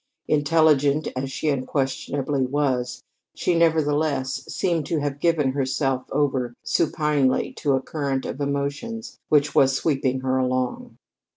Intelligent as she unquestionably was, she nevertheless seemed to have given herself over supinely to a current of emotions which was sweeping her along.